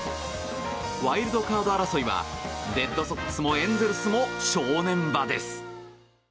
ワイルドカード争いはレッドソックスもエンゼルスも正念場です。